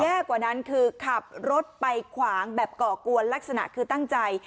กว่านั้นคือขับรถไปขวางแบบก่อกวนลักษณะคือตั้งใจ